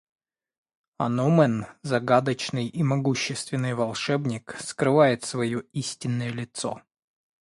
Аномен, загадочный и могущественный волшебник, скрывает свое истинное лицо.